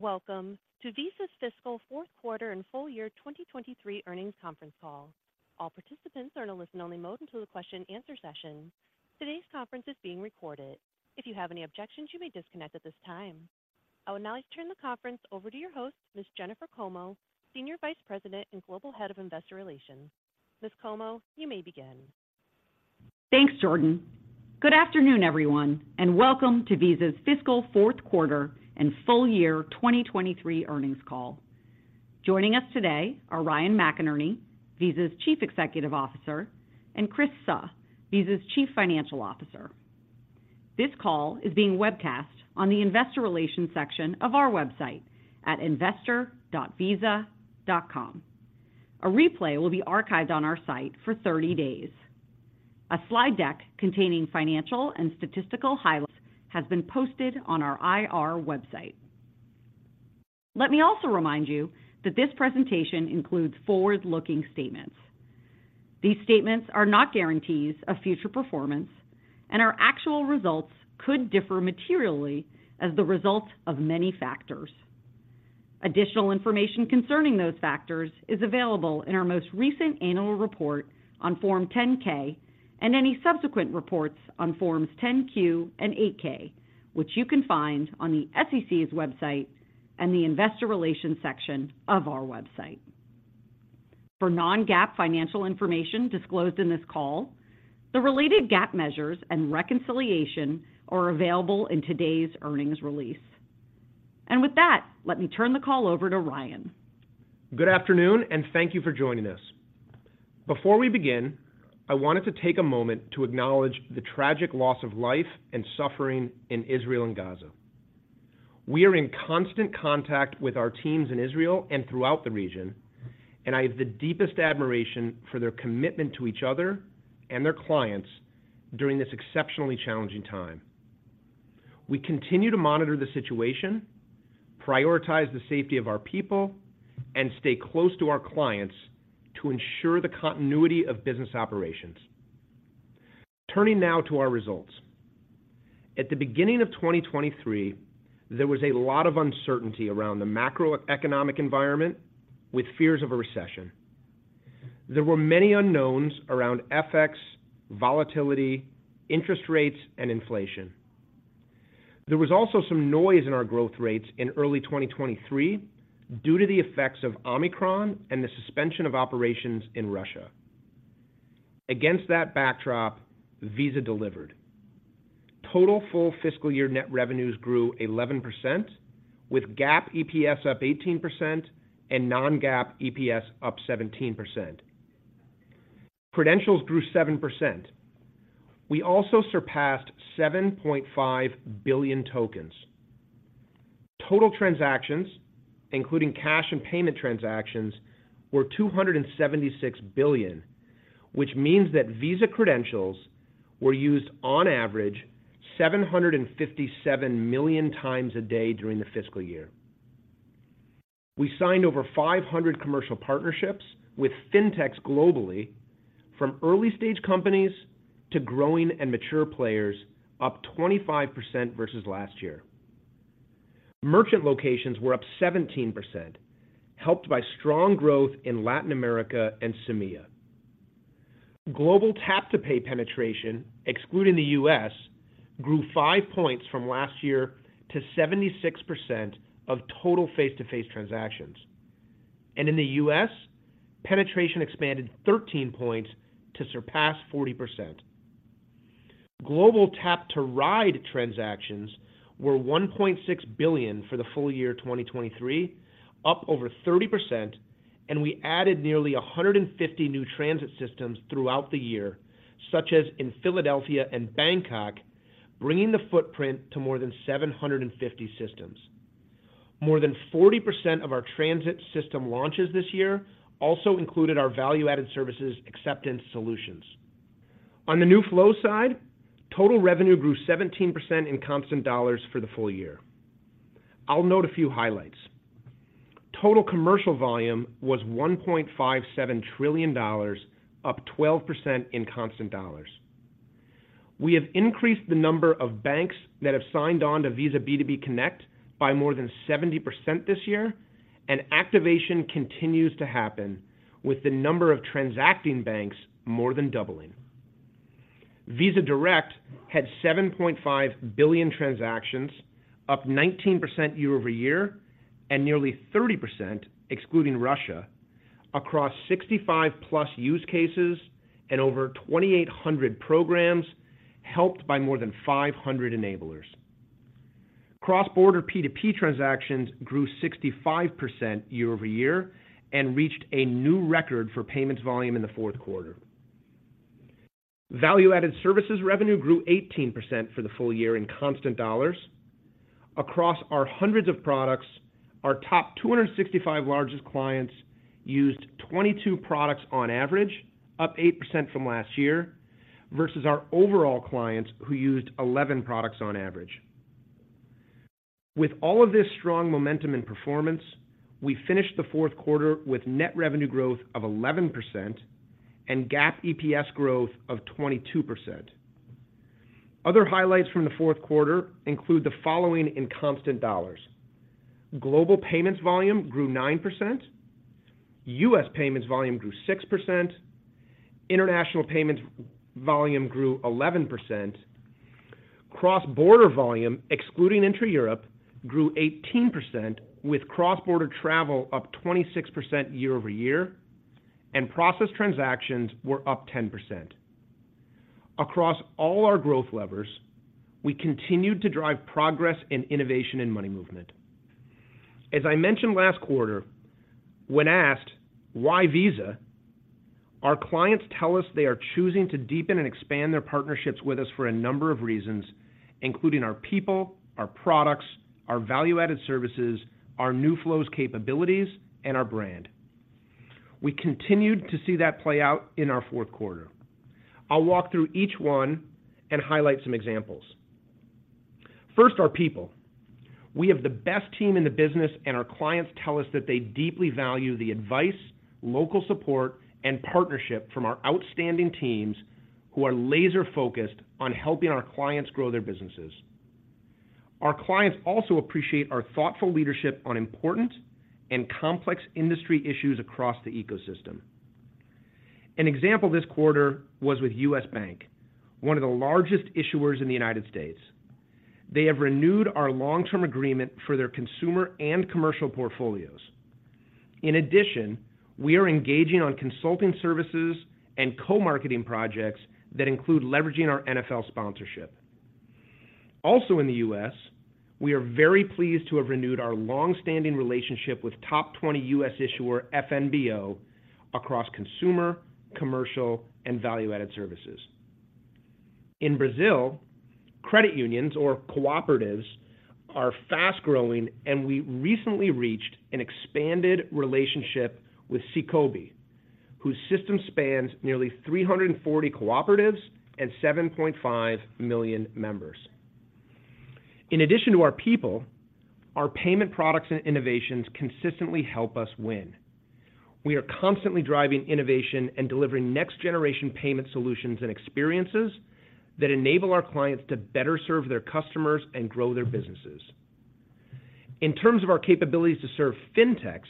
Welcome to Visa's Fiscal Fourth Quarter and Full Year 2023 Earnings Conference Call. All participants are in a listen-only mode until the question and answer session. Today's conference is being recorded. If you have any objections, you may disconnect at this time. I would now like to turn the conference over to your host, Ms. Jennifer Como, Senior Vice President and Global Head of Investor Relations. Ms. Como, you may begin. Thanks, Jordan. Good afternoon, everyone, and welcome to Visa's Fiscal Fourth Quarter and Full Year 2023 earnings call. Joining us today are Ryan McInerney, Visa's Chief Executive Officer, and Chris Suh, Visa's Chief Financial Officer. This call is being webcast on the Investor Relations section of our website at investor.visa.com. A replay will be archived on our site for 30 days. A slide deck containing financial and statistical highlights has been posted on our IR website. Let me also remind you that this presentation includes forward-looking statements. These statements are not guarantees of future performance, and our actual results could differ materially as the result of many factors. Additional information concerning those factors is available in our most recent annual report on Form 10-K and any subsequent reports on Forms 10-Q and 8-K, which you can find on the SEC's website and the Investor Relations section of our website. For non-GAAP financial information disclosed in this call, the related GAAP measures and reconciliation are available in today's earnings release. With that, let me turn the call over to Ryan. Good afternoon, and thank you for joining us. Before we begin, I wanted to take a moment to acknowledge the tragic loss of life and suffering in Israel and Gaza. We are in constant contact with our teams in Israel and throughout the region, and I have the deepest admiration for their commitment to each other and their clients during this exceptionally challenging time. We continue to monitor the situation, prioritize the safety of our people, and stay close to our clients to ensure the continuity of business operations. Turning now to our results. At the beginning of 2023, there was a lot of uncertainty around the macroeconomic environment with fears of a recession. There were many unknowns around FX, volatility, interest rates, and inflation. There was also some noise in our growth rates in early 2023 due to the effects of Omicron and the suspension of operations in Russia. Against that backdrop, Visa delivered. Total full fiscal year net revenues grew 11%, with GAAP EPS up 18% and non-GAAP EPS up 17%. Credentials grew 7%. We also surpassed 7.5 billion tokens. Total transactions, including cash and payment transactions, were 276 billion, which means that Visa credentials were used on average, 757 million times a day during the fiscal year. We signed over 500 commercial partnerships with fintechs globally, from early-stage companies to growing and mature players, up 25% versus last year. Merchant locations were up 17%, helped by strong growth in Latin America and MEA. Global Tap to Pay penetration, excluding the U.S., grew five points from last year to 76% of total face-to-face transactions. In the U.S., penetration expanded 13 points to surpass 40%. Global Tap to Ride transactions were 1.6 billion for the full year 2023, up over 30%, and we added nearly 150 new transit systems throughout the year, such as in Philadelphia and Bangkok, bringing the footprint to more than 750 systems. More than 40% of our transit system launches this year also included our value-added services acceptance solutions. On the new flow side, total revenue grew 17% in constant dollars for the full year. I'll note a few highlights. Total commercial volume was $1.57 trillion, up 12% in constant dollars. We have increased the number of banks that have signed on to Visa B2B Connect by more than 70% this year, and activation continues to happen with the number of transacting banks more than doubling. Visa Direct had 7.5 billion transactions, up 19% year-over-year, and nearly 30%, excluding Russia, across 65+ use cases and over 2,800 programs, helped by more than 500 enablers. Cross-border P2P transactions grew 65% year-over-year and reached a new record for payments volume in the fourth quarter. Value-added services revenue grew 18% for the full year in constant dollars. Across our hundreds of products, our top 265 largest clients used 22 products on average, up 8% from last year, versus our overall clients, who used 11 products on average. With all of this strong momentum and performance, we finished the fourth quarter with net revenue growth of 11% and GAAP EPS growth of 22%. Other highlights from the fourth quarter include the following in constant dollars: Global payments volume grew 9%, U.S. payments volume grew 6%, international payments volume grew 11%, cross-border volume, excluding intra-Europe, grew 18%, with cross-border travel up 26% year-over-year, and processed transactions were up 10%. Across all our growth levers, we continued to drive progress in innovation and money movement. As I mentioned last quarter, when asked, "Why Visa?", our clients tell us they are choosing to deepen and expand their partnerships with us for a number of reasons, including our people, our products, our value-added services, our new flows capabilities, and our brand. We continued to see that play out in our fourth quarter. I'll walk through each one and highlight some examples. First, our people. We have the best team in the business, and our clients tell us that they deeply value the advice, local support, and partnership from our outstanding teams, who are laser-focused on helping our clients grow their businesses. Our clients also appreciate our thoughtful leadership on important and complex industry issues across the ecosystem. An example this quarter was with U.S. Bank, one of the largest issuers in the United States. They have renewed our long-term agreement for their consumer and commercial portfolios. In addition, we are engaging on consulting services and co-marketing projects that include leveraging our NFL sponsorship. Also in the U.S., we are very pleased to have renewed our long-standing relationship with top 20 U.S. issuer FNBO across consumer, commercial, and value-added services. In Brazil, credit unions or cooperatives are fast-growing, and we recently reached an expanded relationship with Sicoob, whose system spans nearly 340 cooperatives and 7.5 million members. In addition to our people, our payment products and innovations consistently help us win. We are constantly driving innovation and delivering next-generation payment solutions and experiences that enable our clients to better serve their customers and grow their businesses. In terms of our capabilities to serve fintechs,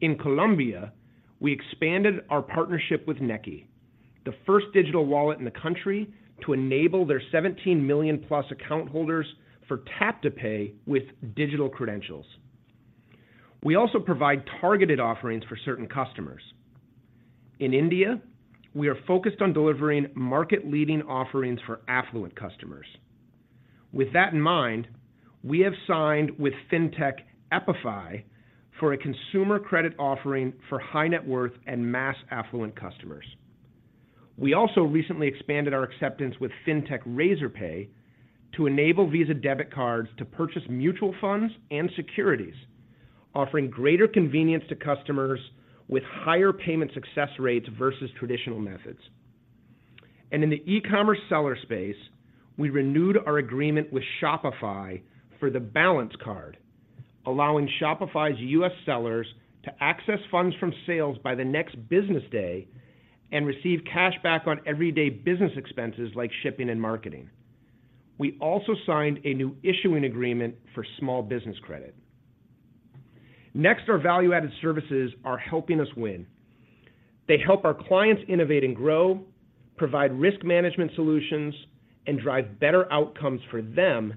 in Colombia, we expanded our partnership with Nequi, the first digital wallet in the country, to enable their 17 million-plus account holders for tap-to-pay with digital credentials. We also provide targeted offerings for certain customers. In India, we are focused on delivering market-leading offerings for affluent customers. With that in mind, we have signed with fintech, epiFi, for a consumer credit offering for high-net-worth and mass affluent customers. We also recently expanded our acceptance with fintech Razorpay to enable Visa debit cards to purchase mutual funds and securities, offering greater convenience to customers with higher payment success rates versus traditional methods. In the e-commerce seller space, we renewed our agreement with Shopify for the Balance Card, allowing Shopify's U.S. sellers to access funds from sales by the next business day and receive cashback on everyday business expenses like shipping and marketing. We also signed a new issuing agreement for small business credit. Next, our value-added services are helping us win. They help our clients innovate and grow, provide risk management solutions, and drive better outcomes for them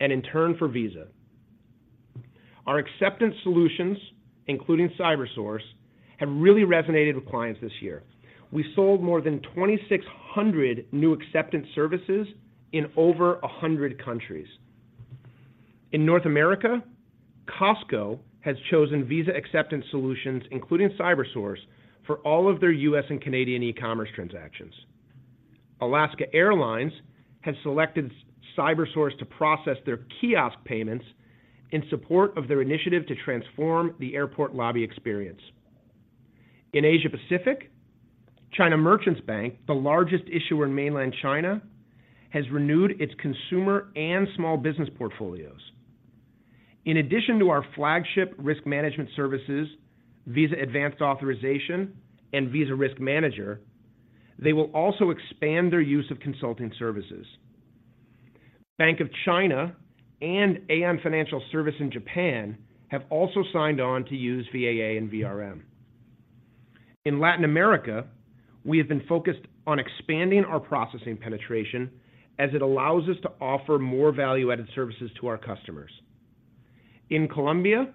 and in turn, for Visa. Our acceptance solutions, including Cybersource, have really resonated with clients this year. We sold more than 2,600 new acceptance services in over 100 countries. In North America, Costco has chosen Visa acceptance solutions, including Cybersource, for all of their U.S. and Canadian e-commerce transactions. Alaska Airlines has selected Cybersource to process their kiosk payments in support of their initiative to transform the airport lobby experience. In Asia Pacific, China Merchants Bank, the largest issuer in mainland China, has renewed its consumer and small business portfolios. In addition to our flagship risk management services, Visa Advanced Authorization and Visa Risk Manager, they will also expand their use of consulting services. Bank of China and AEON Financial Service in Japan have also signed on to use VAA and VRM. In Latin America, we have been focused on expanding our processing penetration as it allows us to offer more value-added services to our customers. In Colombia,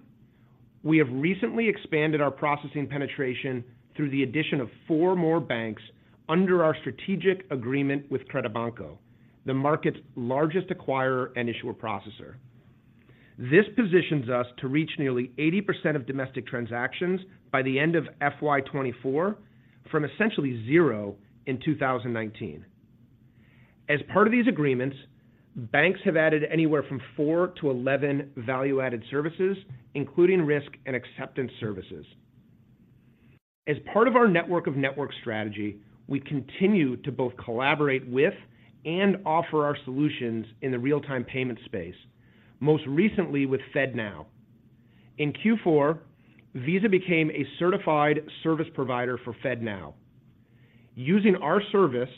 we have recently expanded our processing penetration through the addition of 4 more banks under our strategic agreement with Credibanco, the market's largest acquirer and issuer processor. This positions us to reach nearly 80% of domestic transactions by the end of FY 2024, from essentially 0 in 2019. As part of these agreements, banks have added anywhere from 4-11 value-added services, including risk and acceptance services. As part of our network of network strategy, we continue to both collaborate with and offer our solutions in the real-time payment space, most recently with FedNow. In Q4, Visa became a certified service provider for FedNow. Using our service,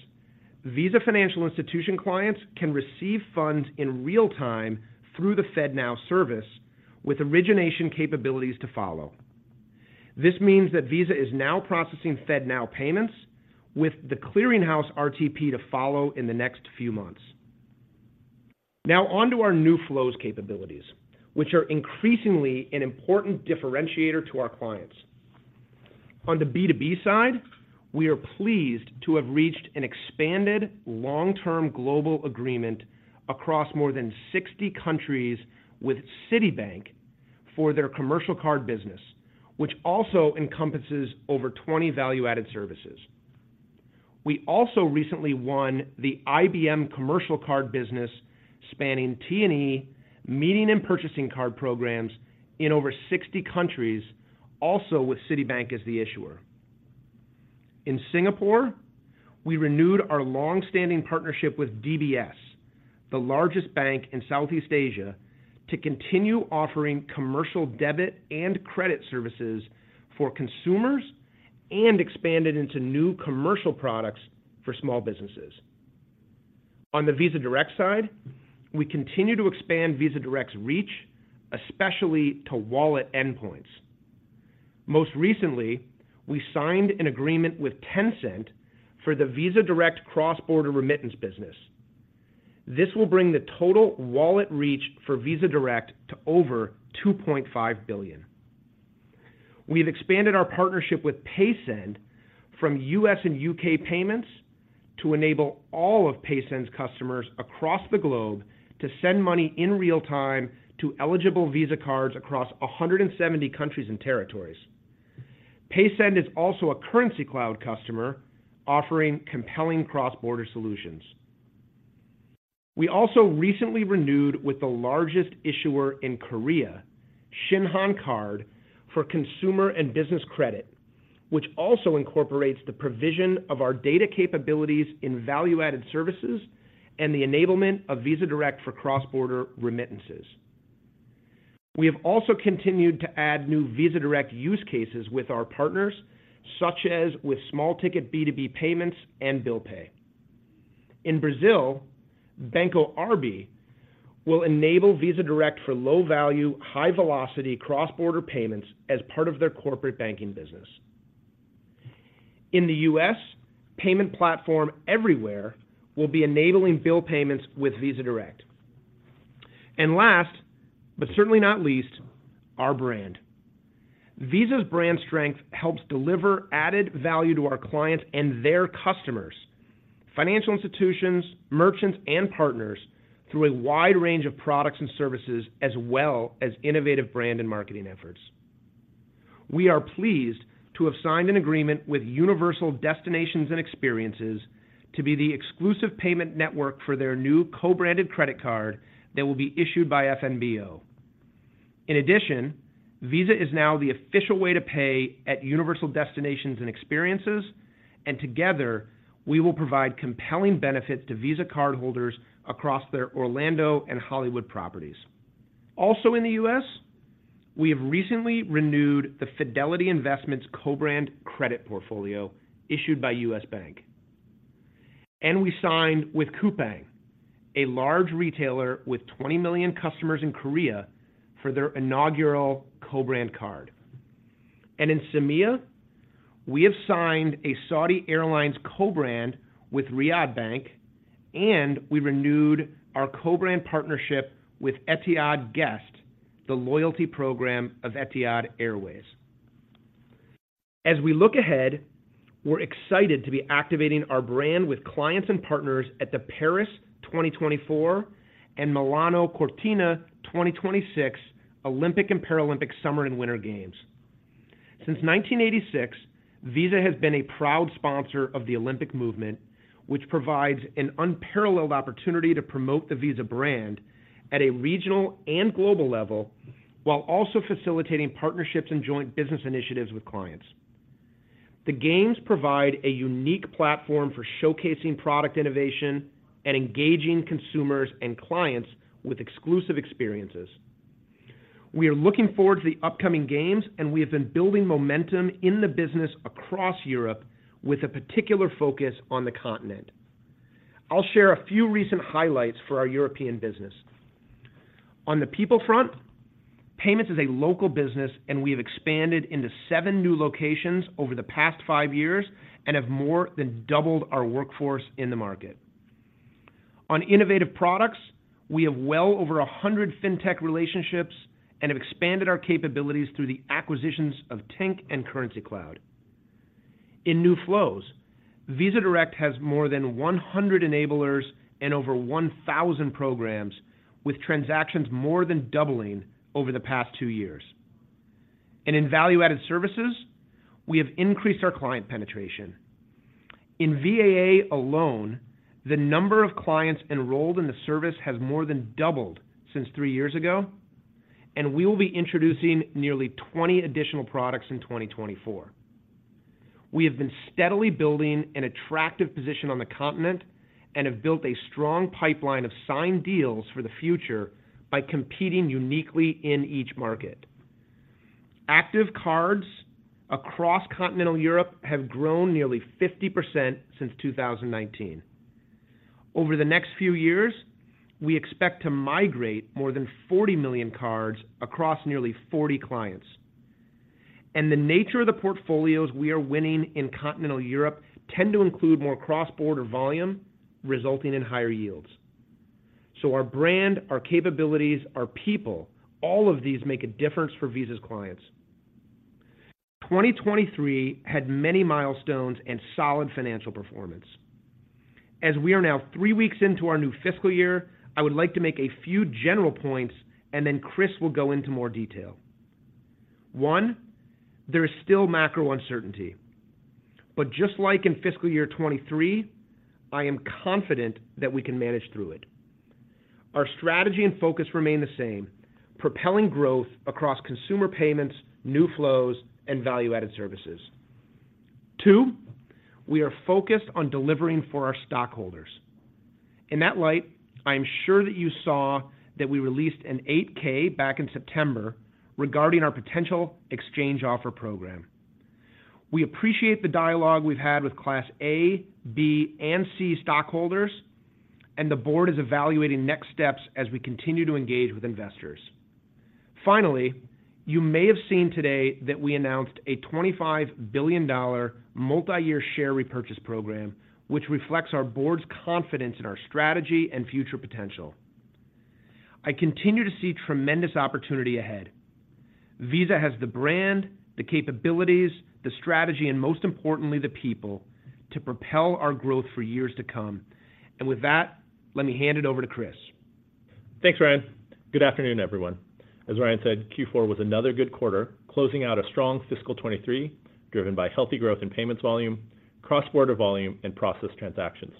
Visa financial institution clients can receive funds in real time through the FedNow Service, with origination capabilities to follow. This means that Visa is now processing FedNow payments, with The Clearing House RTP to follow in the next few months. Now on to our new flows capabilities, which are increasingly an important differentiator to our clients. On the B2B side, we are pleased to have reached an expanded long-term global agreement across more than 60 countries with Citibank for their commercial card business, which also encompasses over 20 value-added services. We also recently won the IBM commercial card business, spanning T&E, meeting and purchasing card programs in over 60 countries, also with Citibank as the issuer. In Singapore, we renewed our long-standing partnership with DBS, the largest bank in Southeast Asia, to continue offering commercial debit and credit services for consumers, and expanded into new commercial products for small businesses. On the Visa Direct side, we continue to expand Visa Direct's reach, especially to wallet endpoints. Most recently, we signed an agreement with Tencent for the Visa Direct cross-border remittance business. This will bring the total wallet reach for Visa Direct to over 2.5 billion. We've expanded our partnership with Paysend from US and UK payments to enable all of Paysend's customers across the globe to send money in real time to eligible Visa cards across 170 countries and territories. Paysend is also a Currencycloud customer, offering compelling cross-border solutions. We also recently renewed with the largest issuer in Korea, Shinhan Card, for consumer and business credit, which also incorporates the provision of our data capabilities in value-added services and the enablement of Visa Direct for cross-border remittances. We have also continued to add new Visa Direct use cases with our partners, such as with small ticket B2B payments and bill pay. In Brazil, Banco RCI will enable Visa Direct for low-value, high-velocity cross-border payments as part of their corporate banking business. In the US, payment platform Everyware will be enabling bill payments with Visa Direct. And last, but certainly not least, our brand. Visa's brand strength helps deliver added value to our clients and their customers, financial institutions, merchants, and partners through a wide range of products and services, as well as innovative brand and marketing efforts. We are pleased to have signed an agreement with Universal Destinations and Experiences to be the exclusive payment network for their new co-branded credit card that will be issued by FNBO. In addition, Visa is now the official way to pay at Universal Destinations and Experiences, and together, we will provide compelling benefits to Visa cardholders across their Orlando and Hollywood properties. Also in the U.S., we have recently renewed the Fidelity Investments co-brand credit portfolio issued by US Bank. We signed with Coupang, a large retailer with 20 million customers in Korea, for their inaugural co-brand card. In MEA, we have signed a Saudi Airlines co-brand with Riyad Bank, and we renewed our co-brand partnership with Etihad Guest, the loyalty program of Etihad Airways. As we look ahead, we're excited to be activating our brand with clients and partners at the Paris 2024 and Milano Cortina 2026 Olympic and Paralympic Summer and Winter Games. Since 1986, Visa has been a proud sponsor of the Olympic Movement, which provides an unparalleled opportunity to promote the Visa brand at a regional and global level, while also facilitating partnerships and joint business initiatives with clients. The Games provide a unique platform for showcasing product innovation and engaging consumers and clients with exclusive experiences. We are looking forward to the upcoming games, and we have been building momentum in the business across Europe with a particular focus on the continent. I'll share a few recent highlights for our European business. On the people front, payments is a local business, and we have expanded into seven new locations over the past five years and have more than doubled our workforce in the market. On innovative products, we have well over 100 fintech relationships and have expanded our capabilities through the acquisitions of Tink and Currencycloud. In new flows, Visa Direct has more than 100 enablers and over 1,000 programs, with transactions more than doubling over the past two years. In value-added services, we have increased our client penetration. In VAA alone, the number of clients enrolled in the service has more than doubled since three years ago, and we will be introducing nearly 20 additional products in 2024. We have been steadily building an attractive position on the continent and have built a strong pipeline of signed deals for the future by competing uniquely in each market. Active cards across continental Europe have grown nearly 50% since 2019. Over the next few years, we expect to migrate more than 40 million cards across nearly 40 clients. And the nature of the portfolios we are winning in continental Europe tend to include more cross-border volume, resulting in higher yields. So our brand, our capabilities, our people, all of these make a difference for Visa's clients. 2023 had many milestones and solid financial performance. As we are now three weeks into our new fiscal year, I would like to make a few general points, and then Chris will go into more detail. One, there is still macro uncertainty, but just like in fiscal year 2023, I am confident that we can manage through it. Our strategy and focus remain the same, propelling growth across consumer payments, new flows, and value-added services. Two, we are focused on delivering for our stockholders. In that light, I am sure that you saw that we released an 8-K back in September regarding our potential exchange offer program. We appreciate the dialogue we've had with Class A, B, and C stockholders, and the board is evaluating next steps as we continue to engage with investors. Finally, you may have seen today that we announced a $25 billion multi-year share repurchase program, which reflects our board's confidence in our strategy and future potential. I continue to see tremendous opportunity ahead. Visa has the brand, the capabilities, the strategy, and most importantly, the people, to propel our growth for years to come. And with that, let me hand it over to Chris. Thanks, Ryan. Good afternoon, everyone. As Ryan said, Q4 was another good quarter, closing out a strong fiscal 2023, driven by healthy growth in payments volume, cross-border volume, and processed transactions,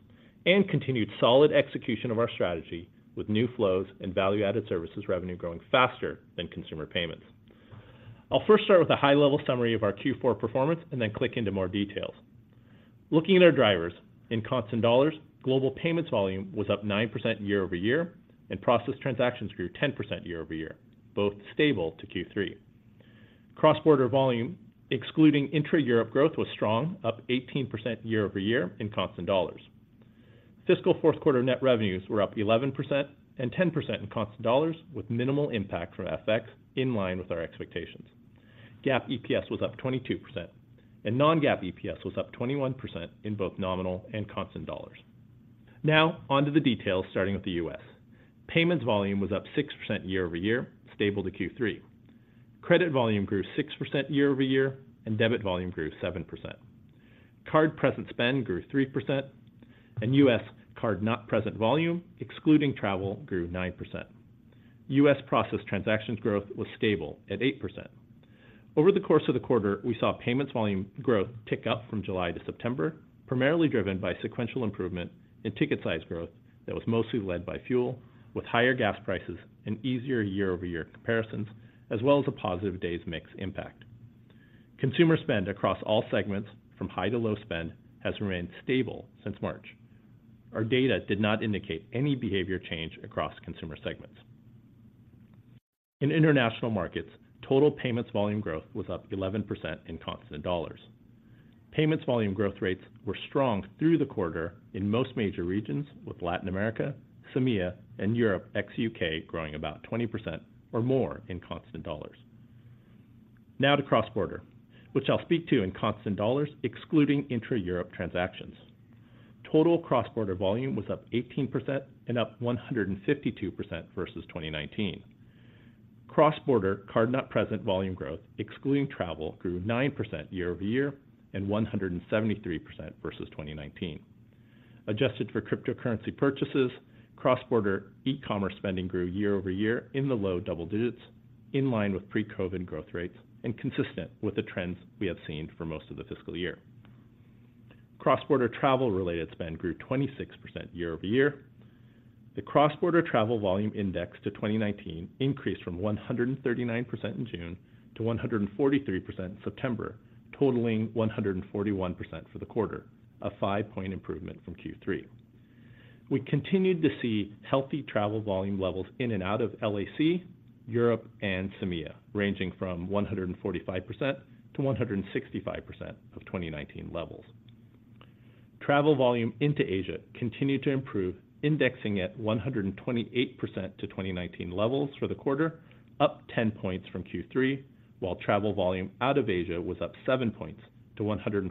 and continued solid execution of our strategy with new flows and value-added services revenue growing faster than consumer payments. I'll first start with a high-level summary of our Q4 performance and then click into more details. Looking at our drivers, in constant dollars, global payments volume was up 9% year over year, and processed transactions grew 10% year over year, both stable to Q3. Cross-border volume, excluding intra-Europe growth, was strong, up 18% year over year in constant dollars. Fiscal fourth quarter net revenues were up 11% and 10% in constant dollars, with minimal impact from FX, in line with our expectations. GAAP EPS was up 22%, and non-GAAP EPS was up 21% in both nominal and constant dollars. Now, onto the details, starting with the U.S. Payments volume was up 6% year-over-year, stable to Q3. Credit volume grew 6% year-over-year, and debit volume grew 7%. Card-present spend grew 3%, and U.S. card-not-present volume, excluding travel, grew 9%. U.S. processed transactions growth was stable at 8%. Over the course of the quarter, we saw payments volume growth tick up from July to September, primarily driven by sequential improvement in ticket size growth that was mostly led by fuel, with higher gas prices and easier year-over-year comparisons, as well as a positive days mix impact. Consumer spend across all segments from high to low spend has remained stable since March. Our data did not indicate any behavior change across consumer segments. In international markets, total payments volume growth was up 11% in constant dollars. Payments volume growth rates were strong through the quarter in most major regions, with Latin America, MEA, and Europe, ex-UK, growing about 20% or more in constant dollars. Now to cross-border, which I'll speak to in constant dollars, excluding intra-Europe transactions. Total cross-border volume was up 18% and up 152% versus 2019. Cross-border card not present volume growth, excluding travel, grew 9% year-over-year and 173% versus 2019. Adjusted for cryptocurrency purchases, cross-border e-commerce spending grew year-over-year in the low double digits, in line with pre-COVID growth rates and consistent with the trends we have seen for most of the fiscal year. Cross-border travel-related spend grew 26% year-over-year. The cross-border travel volume index to 2019 increased from 139% in June to 143% in September, totaling 141% for the quarter, a five point improvement from Q3. We continued to see healthy travel volume levels in and out of LAC, Europe, and MEA, ranging from 145%-165% of 2019 levels. Travel volume into Asia continued to improve, indexing at 128% to 2019 levels for the quarter, up 10 points from Q3, while travel volume out of Asia was up seven points to 114%.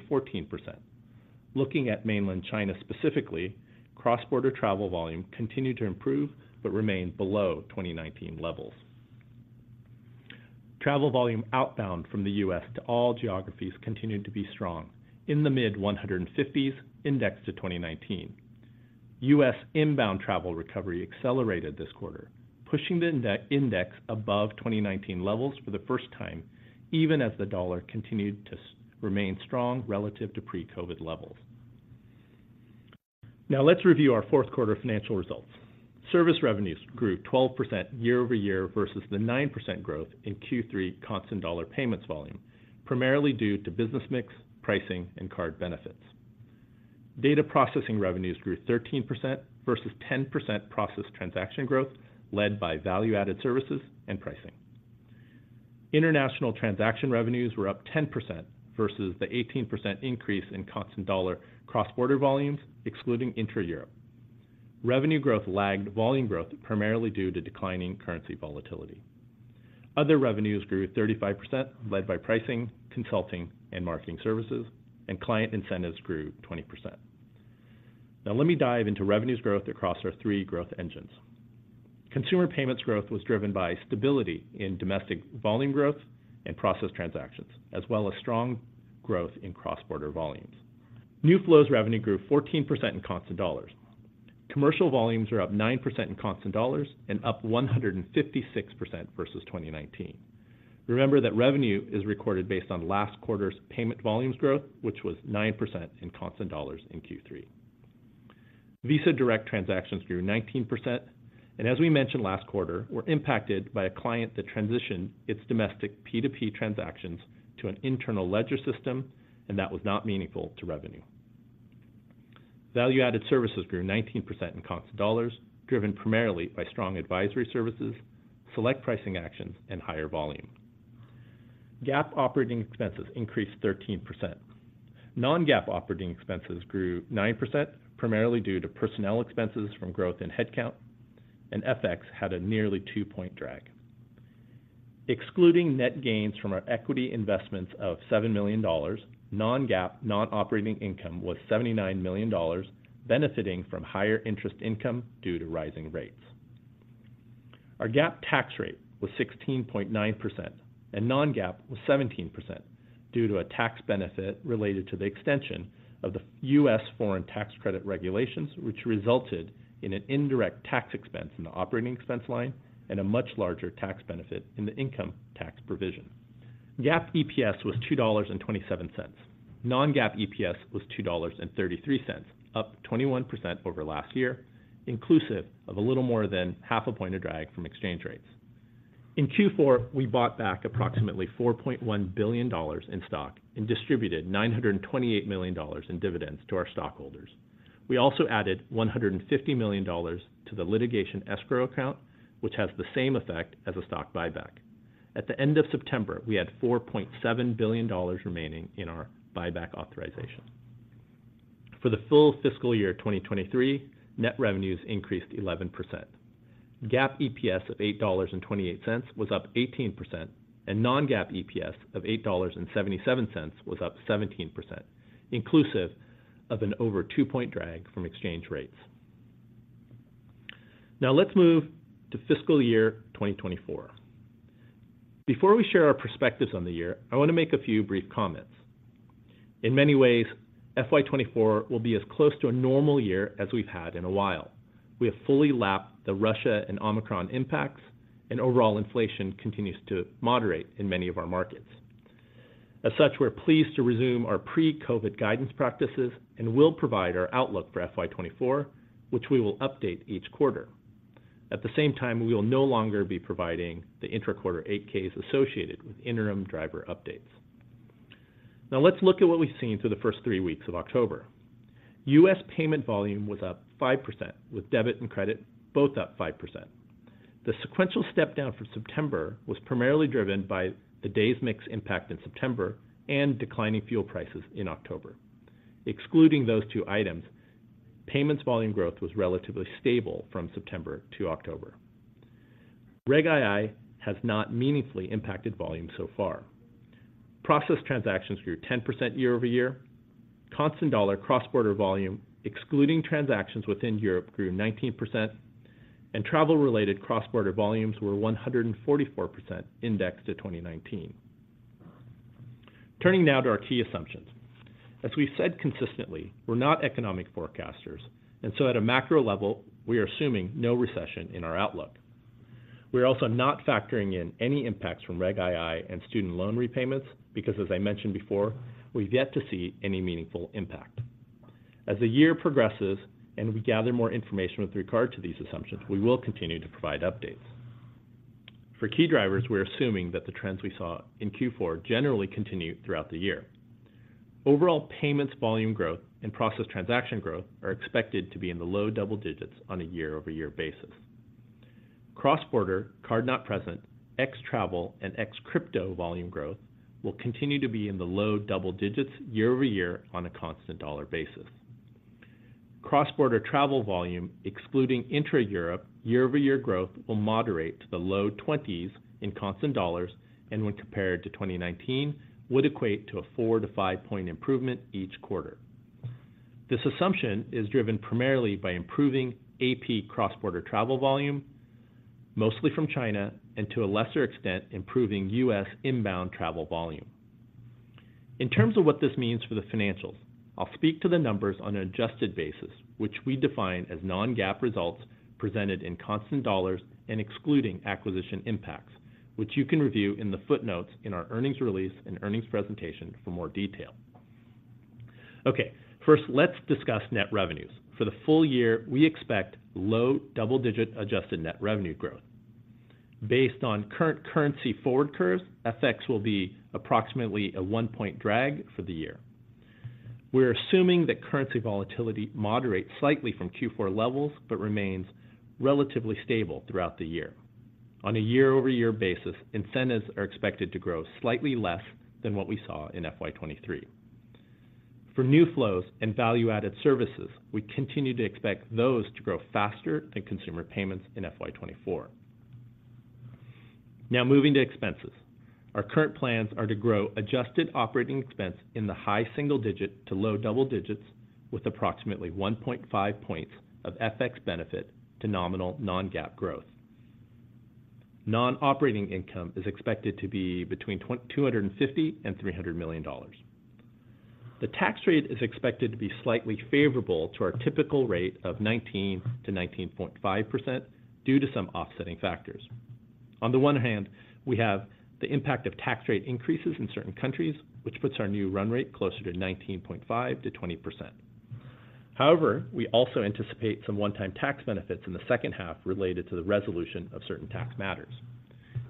Looking at mainland China specifically, cross-border travel volume continued to improve but remained below 2019 levels. Travel volume outbound from the U.S. to all geographies continued to be strong, in the mid-150s, indexed to 2019. U.S. inbound travel recovery accelerated this quarter, pushing the index above 2019 levels for the first time, even as the dollar continued to remain strong relative to pre-COVID levels. Now let's review our fourth quarter financial results. Service revenues grew 12% year-over-year versus the 9% growth in Q3 constant dollar payments volume, primarily due to business mix, pricing, and card benefits. Data processing revenues grew 13% versus 10% processed transaction growth, led by value-added services and pricing. International transaction revenues were up 10% versus the 18% increase in constant dollar cross-border volumes, excluding Intra-Europe. Revenue growth lagged volume growth primarily due to declining currency volatility. Other revenues grew 35%, led by pricing, consulting, and marketing services, and client incentives grew 20%. Now let me dive into revenues growth across our three growth engines. Consumer payments growth was driven by stability in domestic volume growth and processed transactions, as well as strong growth in cross-border volumes. New flows revenue grew 14% in constant dollars. Commercial volumes were up 9% in constant dollars and up 156% versus 2019. Remember that revenue is recorded based on last quarter's payment volumes growth, which was 9% in constant dollars in Q3. Visa Direct transactions grew 19%, and as we mentioned last quarter, were impacted by a client that transitioned its domestic P2P transactions to an internal ledger system, and that was not meaningful to revenue. Value-added services grew 19% in constant dollars, driven primarily by strong advisory services, select pricing actions, and higher volume. GAAP operating expenses increased 13%. Non-GAAP operating expenses grew 9%, primarily due to personnel expenses from growth in headcount, and FX had a nearly 2-point drag. Excluding net gains from our equity investments of $7 million, non-GAAP, non-operating income was $79 million, benefiting from higher interest income due to rising rates. Our GAAP tax rate was 16.9%, and non-GAAP was 17% due to a tax benefit related to the extension of the U.S. foreign tax credit regulations, which resulted in an indirect tax expense in the operating expense line and a much larger tax benefit in the income tax provision. GAAP EPS was $2.27. Non-GAAP EPS was $2.33, up 21% over last year, inclusive of a little more than half a point of drag from exchange rates. In Q4, we bought back approximately $4.1 billion in stock and distributed $928 million in dividends to our stockholders. We also added $150 million to the litigation escrow account, which has the same effect as a stock buyback. At the end of September, we had $4.7 billion remaining in our buyback authorization. For the full fiscal year 2023, net revenues increased 11%. GAAP EPS of $8.28 was up 18%, and non-GAAP EPS of $8.77 was up 17%, inclusive of an over two point drag from exchange rates. Now let's move to fiscal year 2024. Before we share our perspectives on the year, I want to make a few brief comments. In many ways, FY 2024 will be as close to a normal year as we've had in a while. We have fully lapped the Russia and Omicron impacts, and overall inflation continues to moderate in many of our markets. As such, we're pleased to resume our pre-COVID guidance practices and will provide our outlook for FY 2024, which we will update each quarter. At the same time, we will no longer be providing the intraquarter 8-Ks associated with interim driver updates. Now let's look at what we've seen through the first three weeks of October. U.S. payment volume was up 5%, with debit and credit both up 5%. The sequential step down from September was primarily driven by the days mix impact in September and declining fuel prices in October. Excluding those two items, payments volume growth was relatively stable from September to October. Reg II has not meaningfully impacted volume so far. Processed transactions grew 10% year-over-year. Constant dollar cross-border volume, excluding transactions within Europe, grew 19%, and travel-related cross-border volumes were 144% indexed to 2019. Turning now to our key assumptions. As we've said consistently, we're not economic forecasters, and so at a macro level, we are assuming no recession in our outlook. We are also not factoring in any impacts from Reg II and student loan repayments because, as I mentioned before, we've yet to see any meaningful impact. As the year progresses and we gather more information with regard to these assumptions, we will continue to provide updates. For key drivers, we're assuming that the trends we saw in Q4 generally continue throughout the year. Overall, payments volume growth and processed transaction growth are expected to be in the low double digits on a year-over-year basis. Cross-border, Card Not Present, ex-travel, and ex-crypto volume growth will continue to be in the low double digits year-over-year on a constant dollar basis. Cross-border travel volume, excluding intra-Europe, year-over-year growth will moderate to the low twenties in constant dollars, and when compared to 2019, would equate to a four to five point improvement each quarter. This assumption is driven primarily by improving AP cross-border travel volume, mostly from China, and to a lesser extent, improving US inbound travel volume. In terms of what this means for the financials, I'll speak to the numbers on an adjusted basis, which we define as non-GAAP results presented in constant dollars and excluding acquisition impacts, which you can review in the footnotes in our earnings release and earnings presentation for more detail. Okay, first, let's discuss net revenues. For the full year, we expect low double-digit adjusted net revenue growth. Based on current currency forward curves, FX will be approximately a one point drag for the year. We're assuming that currency volatility moderates slightly from Q4 levels, but remains relatively stable throughout the year. On a year-over-year basis, incentives are expected to grow slightly less than what we saw in FY 2023. For new flows and value-added services, we continue to expect those to grow faster than consumer payments in FY 2024. Now, moving to expenses. Our current plans are to grow adjusted operating expense in the high single digit to low double digits, with approximately 1.5 points of FX benefit to nominal non-GAAP growth. Non-operating income is expected to be between two hundred and fifty and three hundred million dollars. The tax rate is expected to be slightly favorable to our typical rate of 19%-19.5% due to some offsetting factors. On the one hand, we have the impact of tax rate increases in certain countries, which puts our new run rate closer to 19.5%-20%. However, we also anticipate some one-time tax benefits in the second half related to the resolution of certain tax matters.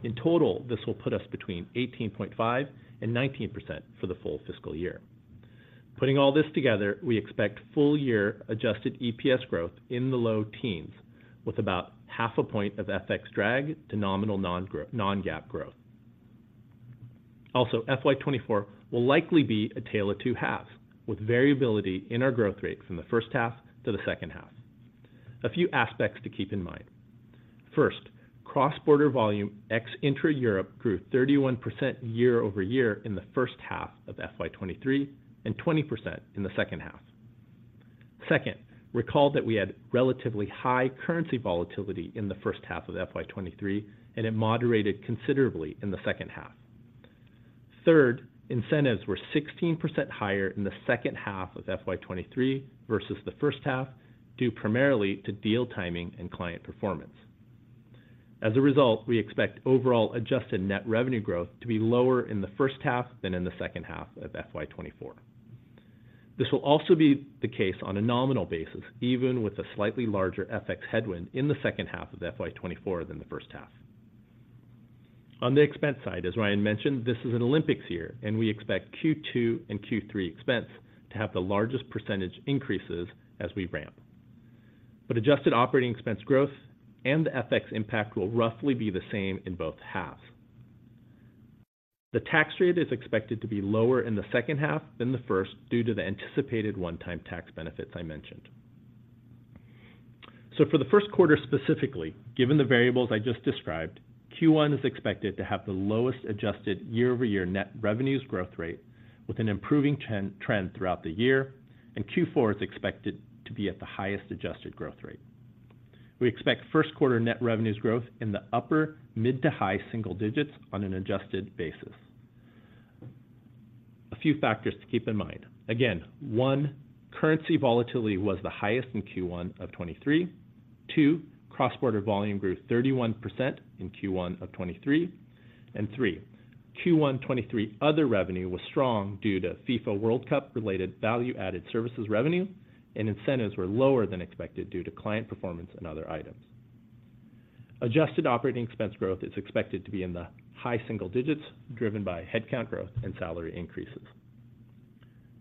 In total, this will put us between 18.5% and 19% for the full fiscal year. Putting all this together, we expect full year adjusted EPS growth in the low teens, with about half a point of FX drag to nominal non-GAAP growth. Also, FY 2024 will likely be a tale of two halves, with variability in our growth rate from the first half to the second half. A few aspects to keep in mind. First, cross-border volume ex-intra-Europe grew 31% year-over-year in the first half of FY 2023 and 20% in the second half. Second, recall that we had relatively high currency volatility in the first half of FY 2023, and it moderated considerably in the second half. Third, incentives were 16% higher in the second half of FY 2023 versus the first half, due primarily to deal timing and client performance. As a result, we expect overall adjusted net revenue growth to be lower in the first half than in the second half of FY 2024. This will also be the case on a nominal basis, even with a slightly larger FX headwind in the second half of FY 2024 than the first half. On the expense side, as Ryan mentioned, this is an Olympics year, and we expect Q2 and Q3 expense to have the largest percentage increases as we ramp. But adjusted operating expense growth and the FX impact will roughly be the same in both halves. The tax rate is expected to be lower in the second half than the first due to the anticipated one-time tax benefits I mentioned. So for the first quarter, specifically, given the variables I just described, Q1 is expected to have the lowest adjusted year-over-year net revenues growth rate with an improving trend throughout the year, and Q4 is expected to be at the highest adjusted growth rate. We expect first quarter net revenues growth in the upper mid to high single digits on an adjusted basis. A few factors to keep in mind. Again, one, currency volatility was the highest in Q1 of 2023. Two, cross-border volume grew 31% in Q1 of 2023. And three, Q1 2023 other revenue was strong due to FIFA World Cup-related value-added services revenue, and incentives were lower than expected due to client performance and other items. Adjusted operating expense growth is expected to be in the high single digits, driven by headcount growth and salary increases.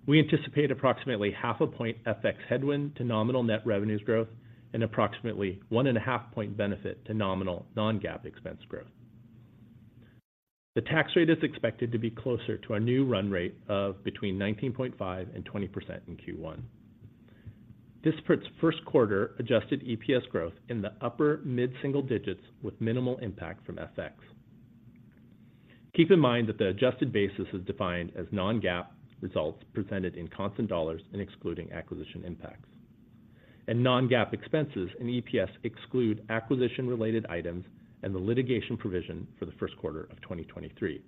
We anticipate approximately 0.5 point FX headwind to nominal net revenues growth and approximately 1.5 point benefit to nominal non-GAAP expense growth. The tax rate is expected to be closer to our new run rate of between 19.5% and 20% in Q1. This puts first quarter adjusted EPS growth in the upper mid-single digits with minimal impact from FX. Keep in mind that the adjusted basis is defined as non-GAAP results presented in constant dollars and excluding acquisition impacts. Non-GAAP expenses and EPS exclude acquisition-related items and the litigation provision for the first quarter of 2023.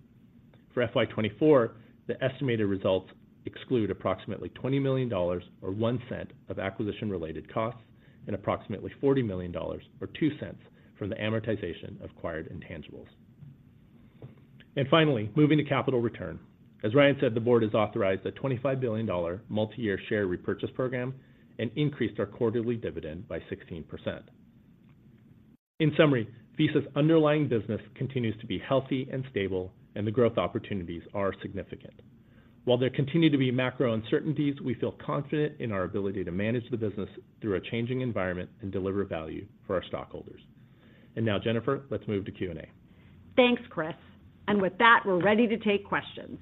For FY 2024, the estimated results exclude approximately $20 million or $0.01 of acquisition-related costs and approximately $40 million or $0.02 from the amortization of acquired intangibles. Finally, moving to capital return. As Ryan said, the board has authorized a $25 billion multi-year share repurchase program and increased our quarterly dividend by 16%. In summary, Visa's underlying business continues to be healthy and stable, and the growth opportunities are significant. While there continue to be macro uncertainties, we feel confident in our ability to manage the business through a changing environment and deliver value for our stockholders. And now, Jennifer, let's move to Q&A. Thanks, Chris. With that, we're ready to take questions.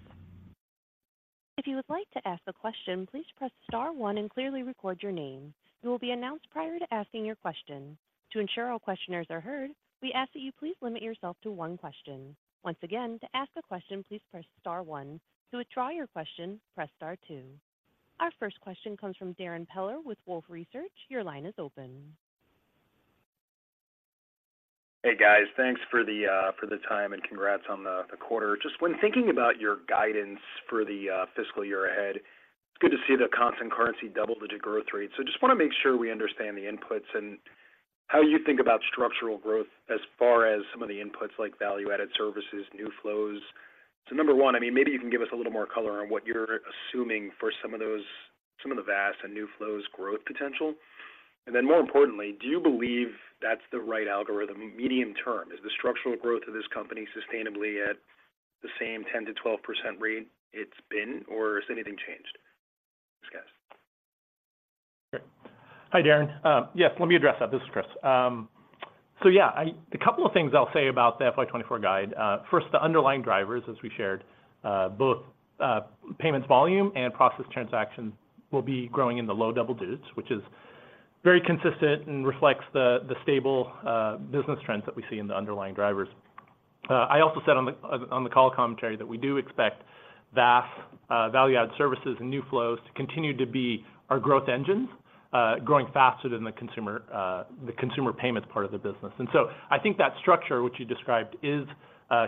If you would like to ask a question, please press star one and clearly record your name. You will be announced prior to asking your question. To ensure all questioners are heard, we ask that you please limit yourself to one question. Once again, to ask a question, please press star one. To withdraw your question, press star two. Our first question comes from Darrin Peller with Wolfe Research. Your line is open. Hey, guys. Thanks for the, for the time and congrats on the, the quarter. Just when thinking about your guidance for the, fiscal year ahead, it's good to see the constant currency double-digit growth rate. So just want to make sure we understand the inputs and-... how you think about structural growth as far as some of the inputs, like value-added services, new flows? So number one, I mean, maybe you can give us a little more color on what you're assuming for some of those, some of the VAS and new flows growth potential. And then more importantly, do you believe that's the right algorithm medium term? Is the structural growth of this company sustainably at the same 10%-12% rate it's been, or has anything changed? Thanks, guys. Okay. Hi, Darren. Yes, let me address that. This is Chris. So yeah, a couple of things I'll say about the FY 2024 guide. First, the underlying drivers, as we shared, both payments volume and processed transactions will be growing in the low double digits, which is very consistent and reflects the stable business trends that we see in the underlying drivers. I also said on the call commentary that we do expect VAS, value-added services and new flows to continue to be our growth engines, growing faster than the consumer payments part of the business. And so I think that structure, which you described, is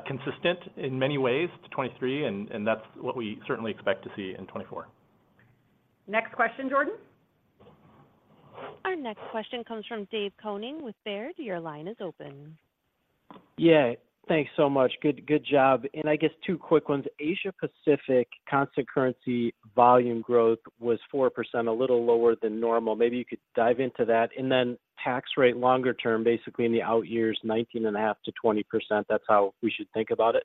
consistent in many ways to 2023, and that's what we certainly expect to see in 2024. Next question, Jordan. Our next question comes from Dave Koning with Baird. Your line is open. Yeah, thanks so much. Good, good job, and I guess two quick ones. Asia Pacific constant currency volume growth was 4%, a little lower than normal. Maybe you could dive into that, and then tax rate longer term, basically in the out years, 19.5%-20%. That's how we should think about it?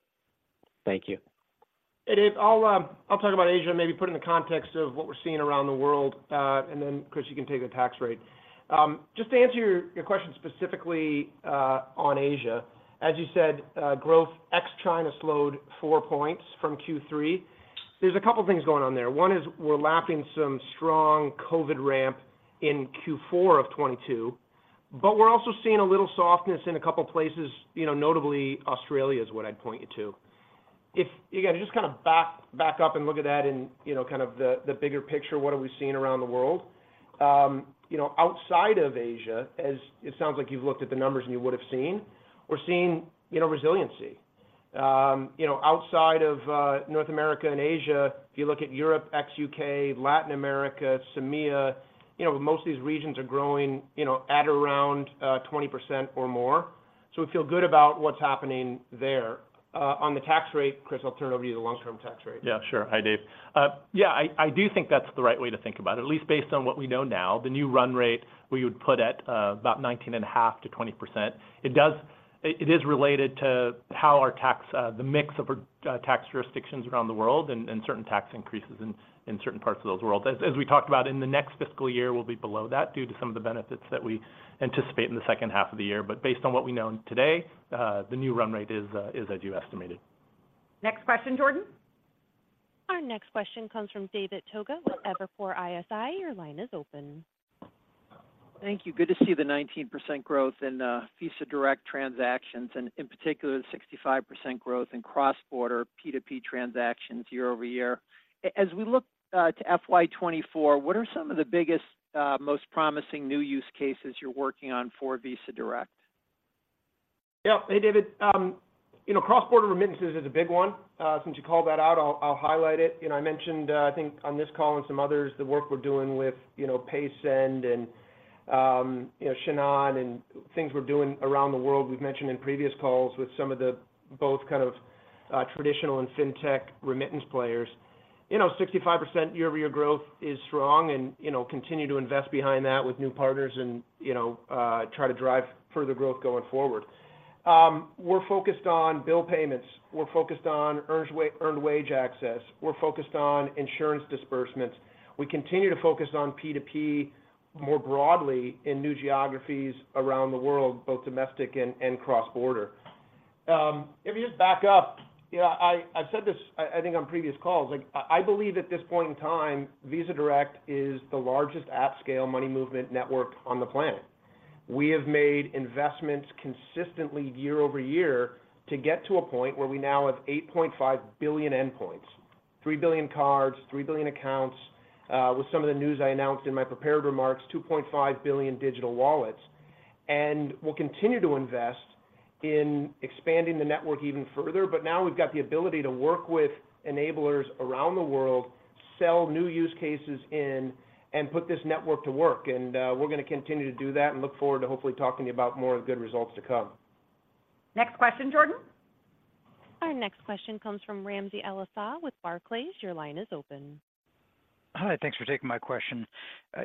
Thank you. Hey, Dave, I'll talk about Asia, and maybe put it in the context of what we're seeing around the world, and then, Chris, you can take the tax rate. Just to answer your question specifically, on Asia. As you said, growth ex-China slowed four points from Q3. There's a couple things going on there. One is we're lapping some strong COVID ramp in Q4 of 2022, but we're also seeing a little softness in a couple places, you know, notably Australia is what I'd point you to. If you just kinda back up and look at that in, you know, kind of the bigger picture, what are we seeing around the world? You know, outside of Asia, as it sounds like you've looked at the numbers and you would have seen, we're seeing, you know, resiliency. You know, outside of North America and Asia, if you look at Europe, ex-UK, Latin America, MEA, you know, most of these regions are growing, you know, at around 20% or more. So we feel good about what's happening there. On the tax rate, Chris, I'll turn it over to you, the long-term tax rate. Yeah, sure. Hi, Dave. Yeah, I do think that's the right way to think about it, at least based on what we know now. The new run rate, we would put at about 19.5%-20%. It is related to how our tax, the mix of our, tax jurisdictions around the world and certain tax increases in certain parts of those world. As we talked about in the next fiscal year, we'll be below that due to some of the benefits that we anticipate in the second half of the year. But based on what we know today, the new run rate is as you estimated. Next question, Jordan. Our next question comes from David Togut with Evercore ISI. Your line is open. Thank you. Good to see the 19% growth in Visa Direct transactions, and in particular, the 65% growth in cross-border P2P transactions year-over-year. As we look to FY 2024, what are some of the biggest, most promising new use cases you're working on for Visa Direct? Yeah. Hey, David. You know, cross-border remittances is a big one. Since you called that out, I'll highlight it. You know, I mentioned, I think on this call and some others, the work we're doing with, you know, Paysend and, you know, Shinhan, and things we're doing around the world. We've mentioned in previous calls with some of the both kind of traditional and fintech remittance players. You know, 65% year-over-year growth is strong and, you know, continue to invest behind that with new partners and, you know, try to drive further growth going forward. We're focused on bill payments. We're focused on earned wage access. We're focused on insurance disbursements. We continue to focus on P2P more broadly in new geographies around the world, both domestic and cross-border. If you just back up, yeah, I said this, I think on previous calls, like, I believe at this point in time, Visa Direct is the largest at-scale money movement network on the planet. We have made investments consistently year-over-year to get to a point where we now have 8.5 billion endpoints, 3 billion cards, 3 billion accounts, with some of the news I announced in my prepared remarks, 2.5 billion digital wallets. We'll continue to invest in expanding the network even further, but now we've got the ability to work with enablers around the world, sell new use cases in, and put this network to work, and we're gonna continue to do that and look forward to hopefully talking about more of the good results to come. Next question, Jordan. Our next question comes from Ramsey El-Assal with Barclays. Your line is open. Hi, thanks for taking my question.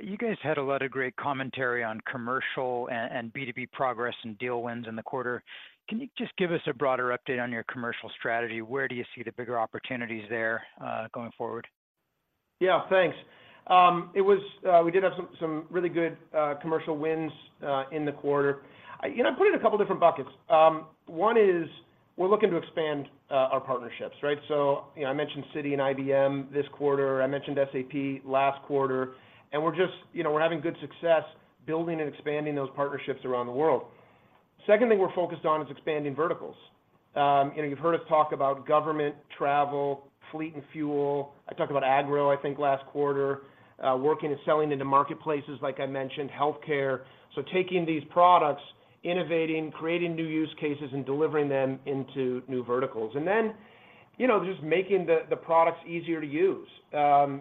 You guys had a lot of great commentary on commercial and B2B progress and deal wins in the quarter. Can you just give us a broader update on your commercial strategy? Where do you see the bigger opportunities there, going forward? Yeah, thanks. It was, we did have some really good commercial wins in the quarter. You know, I put it in a couple different buckets. One is, we're looking to expand our partnerships, right? So, you know, I mentioned Citi and IBM this quarter, I mentioned SAP last quarter, and we're just, you know, we're having good success building and expanding those partnerships around the world. Second thing we're focused on is expanding verticals. And you've heard us talk about government, travel, fleet and fuel. I talked about agro, I think, last quarter, working and selling into marketplaces, like I mentioned, healthcare. So taking these products—innovating, creating new use cases, and delivering them into new verticals. And then, you know, just making the products easier to use.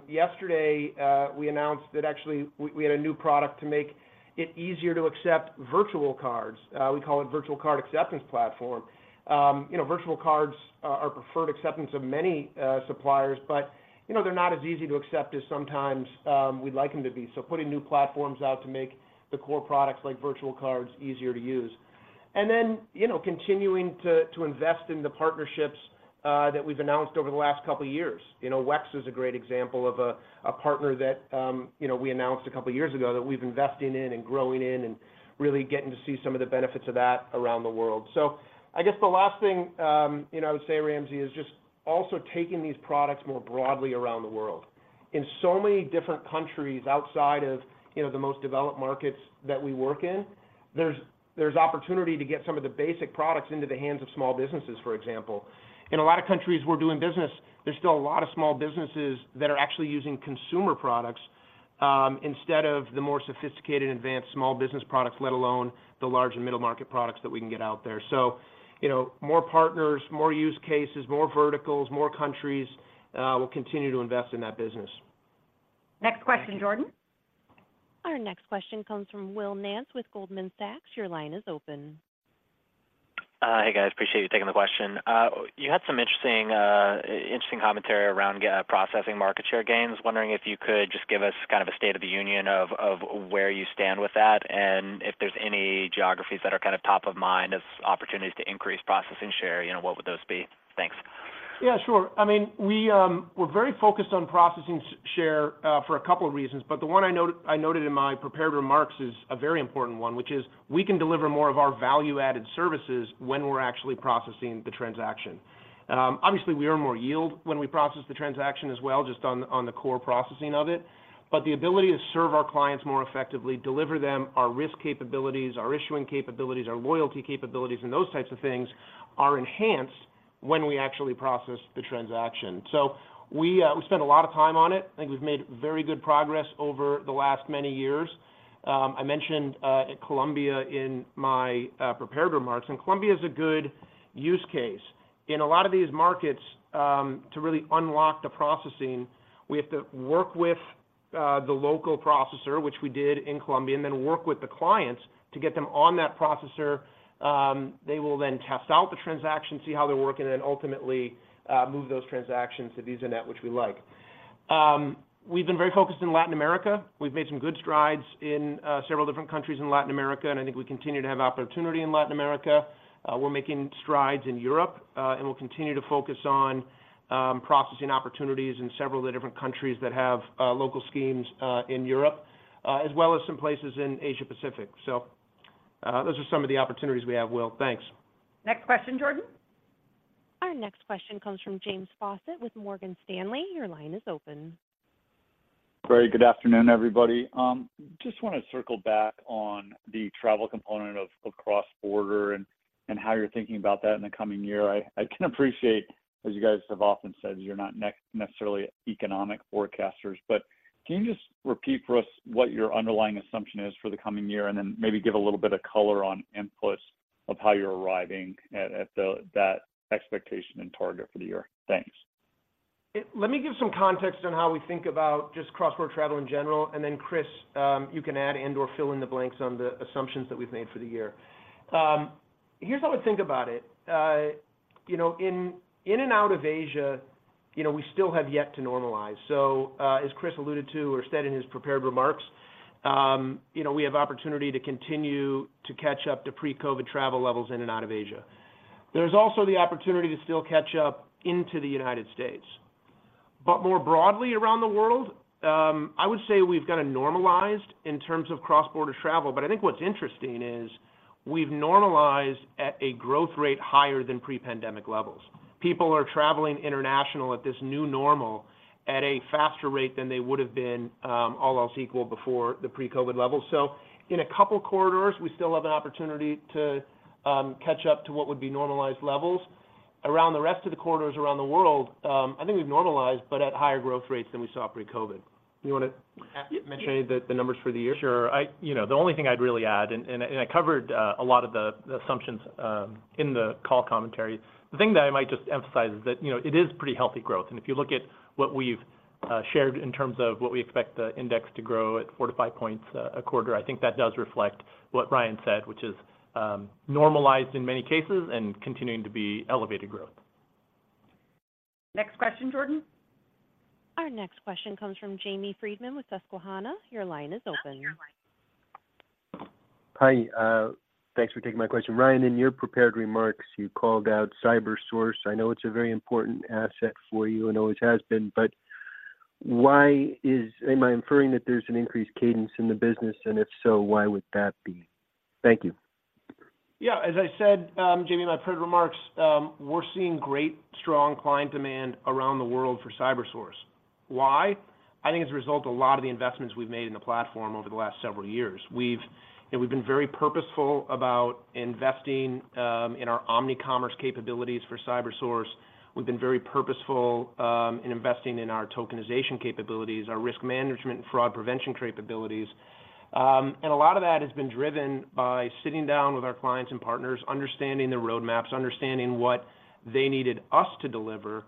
Yesterday, we announced that actually we had a new product to make it easier to accept virtual cards. We call it Virtual Card Acceptance Platform. You know, virtual cards are preferred acceptance of many suppliers, but, you know, they're not as easy to accept as sometimes we'd like them to be. So putting new platforms out to make the core products like virtual cards easier to use. And then, you know, continuing to invest in the partnerships that we've announced over the last couple of years. You know, WEX is a great example of a partner that, you know, we announced a couple of years ago that we've investing in and growing in, and really getting to see some of the benefits of that around the world. So I guess the last thing, you know, I would say, Ramsey, is just also taking these products more broadly around the world. In so many different countries outside of, you know, the most developed markets that we work in, there's opportunity to get some of the basic products into the hands of small businesses, for example. In a lot of countries we're doing business, there's still a lot of small businesses that are actually using consumer products instead of the more sophisticated, advanced small business products, let alone the large and middle market products that we can get out there. So, you know, more partners, more use cases, more verticals, more countries, we'll continue to invest in that business. Next question, Jordan. Our next question comes from Will Nance with Goldman Sachs. Your line is open. Hey, guys. Appreciate you taking the question. You had some interesting, interesting commentary around processing market share gains. Wondering if you could just give us kind of a state of the union of where you stand with that, and if there's any geographies that are kind of top of mind as opportunities to increase processing share, you know, what would those be? Thanks. Yeah, sure. I mean, we're very focused on processing share for a couple of reasons, but the one I noted, I noted in my prepared remarks is a very important one, which is we can deliver more of our value-added services when we're actually processing the transaction. Obviously, we earn more yield when we process the transaction as well, just on the core processing of it. But the ability to serve our clients more effectively, deliver them our risk capabilities, our issuing capabilities, our loyalty capabilities, and those types of things, are enhanced when we actually process the transaction. So we spent a lot of time on it. I think we've made very good progress over the last many years. I mentioned Colombia in my prepared remarks, and Colombia is a good use case. In a lot of these markets, to really unlock the processing, we have to work with the local processor, which we did in Colombia, and then work with the clients to get them on that processor. They will then test out the transaction, see how they're working, and then ultimately move those transactions to VisaNet, which we like. We've been very focused in Latin America. We've made some good strides in several different countries in Latin America, and I think we continue to have opportunity in Latin America. We're making strides in Europe, and we'll continue to focus on processing opportunities in several of the different countries that have local schemes in Europe, as well as some places in Asia Pacific. So, those are some of the opportunities we have, Will. Thanks. Next question, Jordan. Our next question comes from James Faucette with Morgan Stanley. Your line is open. Great. Good afternoon, everybody. Just want to circle back on the travel component of cross-border and how you're thinking about that in the coming year. I can appreciate, as you guys have often said, you're not necessarily economic forecasters, but can you just repeat for us what your underlying assumption is for the coming year, and then maybe give a little bit of color on inputs of how you're arriving at that expectation and target for the year? Thanks. Let me give some context on how we think about just cross-border travel in general, and then, Chris, you can add and/or fill in the blanks on the assumptions that we've made for the year. Here's how I think about it. You know, in and out of Asia, you know, we still have yet to normalize. So, as Chris alluded to or said in his prepared remarks, you know, we have opportunity to continue to catch up to pre-COVID travel levels in and out of Asia. There's also the opportunity to still catch up into the United States. But more broadly around the world, I would say we've kinda normalized in terms of cross-border travel. But I think what's interesting is, we've normalized at a growth rate higher than pre-pandemic levels. People are traveling international at this new normal at a faster rate than they would have been, all else equal before the pre-COVID levels. So in a couple of corridors, we still have an opportunity to catch up to what would be normalized levels. Around the rest of the corridors around the world, I think we've normalized, but at higher growth rates than we saw pre-COVID. You want to- Yeah... mention any of the, the numbers for the year? Sure. You know, the only thing I'd really add, I covered a lot of the assumptions in the call commentary. The thing that I might just emphasize is that, you know, it is pretty healthy growth. And if you look at what we've shared in terms of what we expect the index to grow at four to five points a quarter, I think that does reflect what Ryan said, which is, normalized in many cases and continuing to be elevated growth. Next question, Jordan. Our next question comes from Jamie Friedman with Susquehanna. Your line is open. Hi, thanks for taking my question. Ryan, in your prepared remarks, you called out Cybersource. I know it's a very important asset for you and always has been, but why is. Am I inferring that there's an increased cadence in the business? And if so, why would that be? Thank you. Yeah. As I said, Jamie, in my prepared remarks, we're seeing great, strong client demand around the world for Cybersource. Why? I think as a result, a lot of the investments we've made in the platform over the last several years. We've, you know, we've been very purposeful about investing in our omnicommerce capabilities for Cybersource. We've been very purposeful in investing in our tokenization capabilities, our risk management and fraud prevention capabilities. And a lot of that has been driven by sitting down with our clients and partners, understanding their roadmaps, understanding what they needed us to deliver,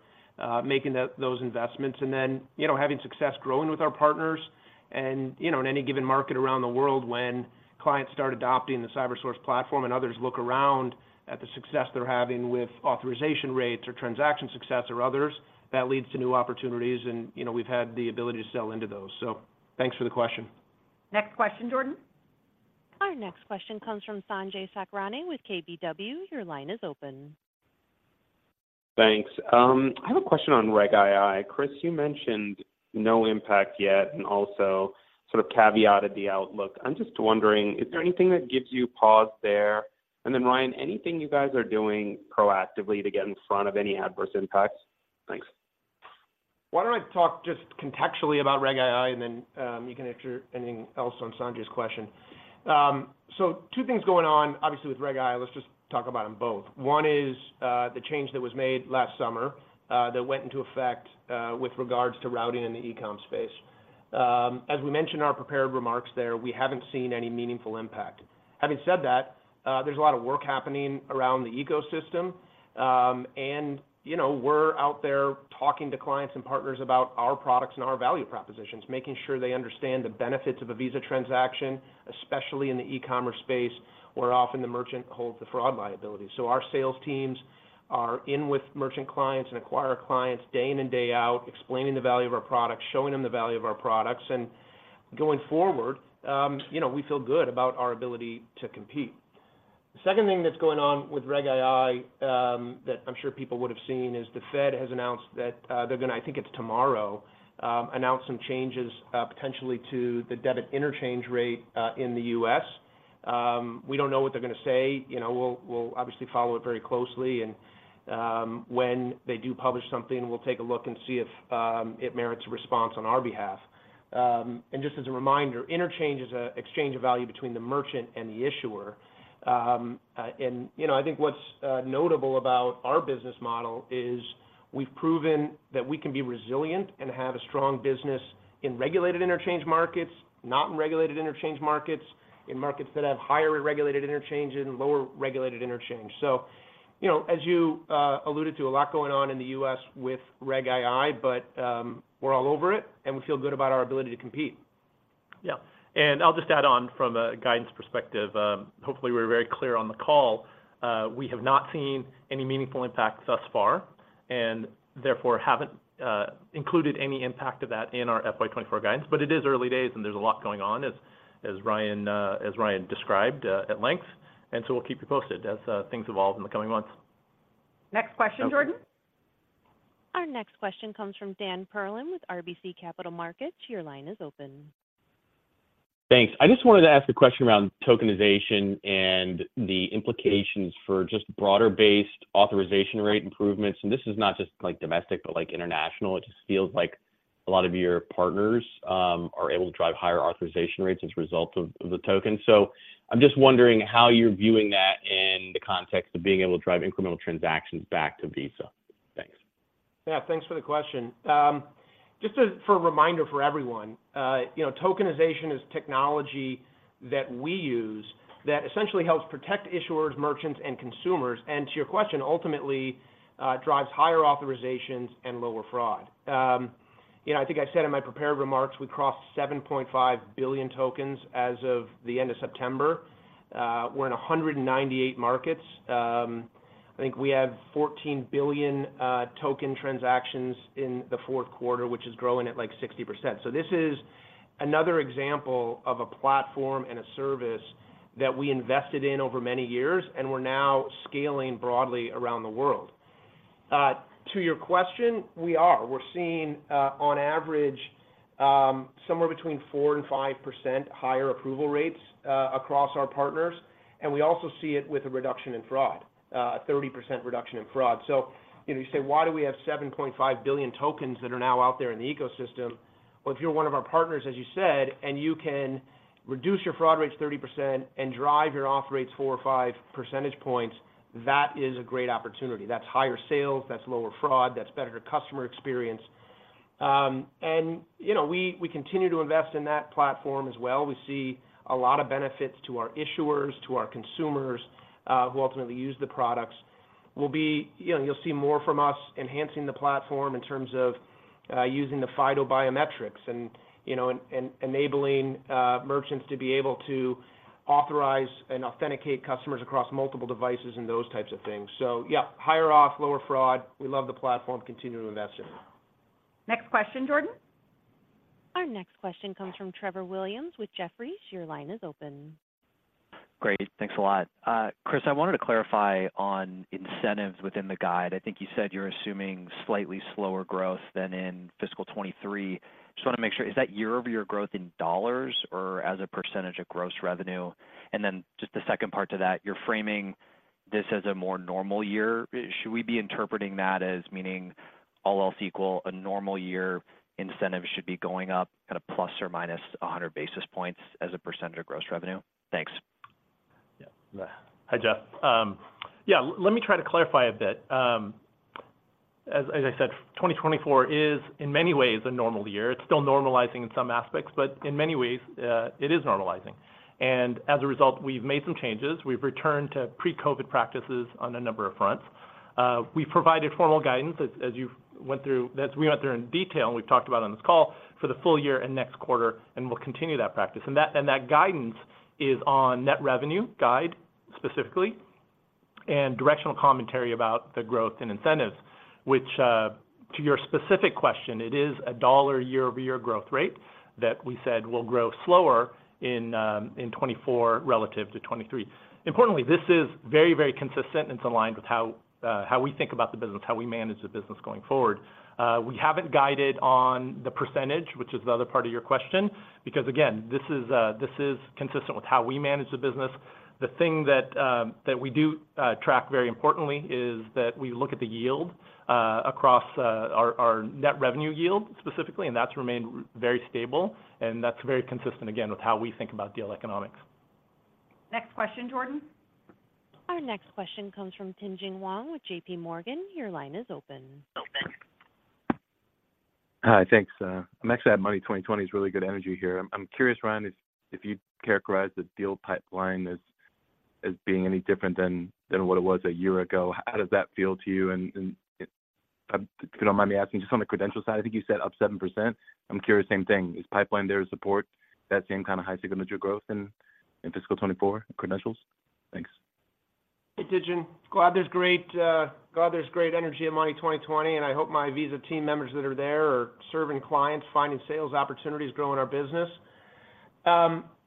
making those investments, and then, you know, having success growing with our partners. You know, in any given market around the world, when clients start adopting the Cybersource platform and others look around at the success they're having with authorization rates or transaction success or others, that leads to new opportunities, and, you know, we've had the ability to sell into those. So thanks for the question. Next question, Jordan. Our next question comes from Sanjay Sakhrani with KBW. Your line is open. Thanks. I have a question on Reg II. Chris, you mentioned no impact yet, and also sort of caveated the outlook. I'm just wondering, is there anything that gives you pause there? And then, Ryan, anything you guys are doing proactively to get in front of any adverse impacts? Thanks. Why don't I talk just contextually about Reg II, and then, you can answer anything else on Sanjay's question. So two things going on, obviously, with Reg II. Let's just talk about them both. One is, the change that was made last summer, that went into effect, with regards to routing in the e-com space. As we mentioned in our prepared remarks there, we haven't seen any meaningful impact. Having said that, there's a lot of work happening around the ecosystem, and, you know, we're out there talking to clients and partners about our products and our value propositions, making sure they understand the benefits of a Visa transaction, especially in the e-commerce space, where often the merchant holds the fraud liability. So our sales teams are in with merchant clients and acquire clients day in and day out, explaining the value of our products, showing them the value of our products, and going forward, you know, we feel good about our ability to compete. The second thing that's going on with Reg II, that I'm sure people would have seen, is the Fed has announced that, they're going to, I think it's tomorrow, announce some changes, potentially to the debit interchange rate, in the U.S. We don't know what they're going to say. You know, we'll, we'll obviously follow it very closely, and, when they do publish something, we'll take a look and see if, it merits a response on our behalf. And just as a reminder, interchange is an exchange of value between the merchant and the issuer. You know, I think what's notable about our business model is we've proven that we can be resilient and have a strong business in regulated interchange markets, not in regulated interchange markets, in markets that have higher regulated interchange and lower regulated interchange. So, you know, as you alluded to, a lot going on in the U.S. with Reg II, but we're all over it, and we feel good about our ability to compete. Yeah. I'll just add on from a guidance perspective, hopefully, we're very clear on the call. We have not seen any meaningful impact thus far, and therefore haven't included any impact of that in our FY 2024 guidance. But it is early days, and there's a lot going on, as Ryan described at length, and so we'll keep you posted as things evolve in the coming months. Next question, Jordan. Our next question comes from Dan Perlin with RBC Capital Markets. Your line is open. Thanks. I just wanted to ask a question around tokenization and the implications for just broader-based authorization rate improvements. And this is not just, like, domestic, but, like, international. It just feels like a lot of your partners are able to drive higher authorization rates as a result of the token. So I'm just wondering how you're viewing that in the context of being able to drive incremental transactions back to Visa. Thanks. Yeah, thanks for the question. Just as for a reminder for everyone, you know, tokenization is technology that we use that essentially helps protect issuers, merchants, and consumers, and to your question, ultimately, drives higher authorizations and lower fraud. You know, I think I said in my prepared remarks, we crossed 7.5 billion tokens as of the end of September. We're in 198 markets. I think we have 14 billion token transactions in the fourth quarter, which is growing at, like, 60%. So this is another example of a platform and a service that we invested in over many years, and we're now scaling broadly around the world. To your question, we are. We're seeing, on average, somewhere between 4%-5% higher approval rates, across our partners, and we also see it with a reduction in fraud, a 30% reduction in fraud. So you say, why do we have 7.5 billion tokens that are now out there in the ecosystem? Well, if you're one of our partners, as you said, and you can reduce your fraud rates 30% and drive your auth rates 4 or 5 percentage points, that is a great opportunity. That's higher sales, that's lower fraud, that's better customer experience. And you know, we continue to invest in that platform as well. We see a lot of benefits to our issuers, to our consumers, who ultimately use the products. We'll be. You know, you'll see more from us enhancing the platform in terms of using the FIDO biometrics and, you know, and enabling merchants to be able to authorize and authenticate customers across multiple devices and those types of things. So yeah, higher off, lower fraud. We love the platform, continue to invest in it. Next question, Jordan. Our next question comes from Trevor Williams with Jefferies. Your line is open. Great. Thanks a lot. Chris, I wanted to clarify on incentives within the guide. I think you said you're assuming slightly slower growth than in fiscal 2023. Just want to make sure, is that year-over-year growth in dollars or as a percentage of gross revenue? And then just the second part to that, you're framing this as a more normal year. Should we be interpreting that as meaning, all else equal, a normal year incentives should be going up kind of plus or minus 100 basis points as a percentage of gross revenue? Thanks.... Hi, Trevor. Yeah, let me try to clarify a bit. As I said, 2024 is, in many ways, a normal year. It's still normalizing in some aspects, but in many ways, it is normalizing. And as a result, we've made some changes. We've returned to pre-COVID practices on a number of fronts. We've provided formal guidance, as you went through, as we went through in detail, and we've talked about on this call, for the full year and next quarter, and we'll continue that practice. And that guidance is on net revenue guide, specifically, and directional commentary about the growth in incentives, which, to your specific question, it is a dollar year-over-year growth rate that we said will grow slower in 2024 relative to 2023. Importantly, this is very, very consistent, and it's aligned with how we think about the business, how we manage the business going forward. We haven't guided on the percentage, which is the other part of your question, because, again, this is consistent with how we manage the business. The thing that we do track very importantly is that we look at the yield across our net revenue yield, specifically, and that's remained very stable, and that's very consistent, again, with how we think about deal economics. Next question, Jordan. Our next question comes from Tien-tsin Huang with J.P. Morgan. Your line is open. Hi, thanks. I'm actually at Money 20/20's really good energy here. I'm curious, Ryan, if you'd characterize the deal pipeline as being any different than what it was a year ago. How does that feel to you? And if you don't mind me asking, just on the credential side, I think you said up 7%. I'm curious, same thing, is pipeline there to support that same kind of high single-digit growth in fiscal 2024 credentials? Thanks. Hey, Tien-tsin. Glad there's great energy at Money 20/20, and I hope my Visa team members that are there are serving clients, finding sales opportunities, growing our business.